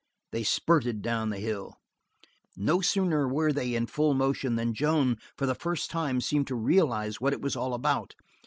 They spurted down the hill. No sooner were they in full motion than Joan, for the first time, seemed to realize what it was all about.